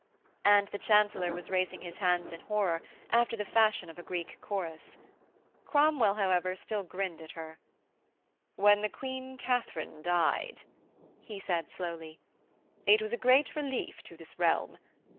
And the Chancellor was raising his hands in horror, after the fashion of a Greek Chorus. Cromwell, however, grinned still at her. 'When the Queen Katharine died,' he said slowly, 'it was a great relief to this realm.